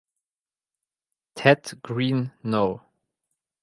Ted Green No.